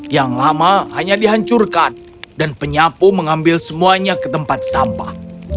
yang lama hanya dihancurkan dan penyapu mengambil semuanya ke tempat sampah